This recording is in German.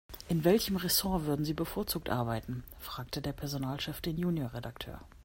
In welchem Ressort würden Sie bevorzugt arbeiten?, fragte der Personalchef den Junior-Redakteur.